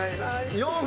４分！